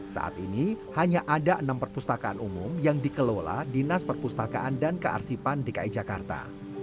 saat ini hanya ada enam perpustakaan umum yang dikelola dinas perpustakaan dan kearsipan dki jakarta